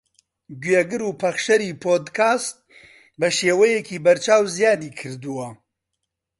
گوێگر و پەخشەری پۆدکاست بەشێوەیەکی بەرچاو زیادی کردووە